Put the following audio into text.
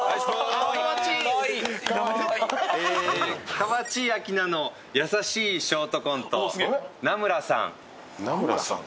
かわちいアキナの優しいショートコント名村さん。